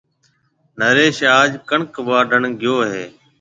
نريش آج ڪڻڪ واڍڻ گيو هيَ۔